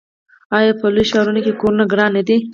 آیا په لویو ښارونو کې کورونه ګران نه دي؟